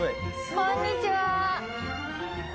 こんにちは。